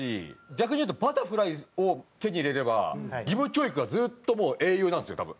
逆に言うとバタフライを手に入れれば義務教育がずっともう英雄なんですよ多分。